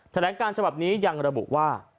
แถลงการฉบับนี้ยังระบุว่า